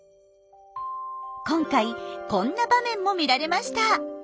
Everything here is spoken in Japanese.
今回こんな場面も見られました。